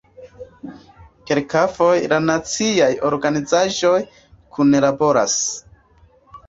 Kelkfoje la naciaj organizaĵoj kunlaboras.